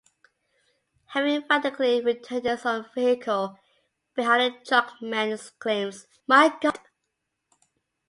Having frantically returned his own vehicle behind the truck, Mann exclaims, My God!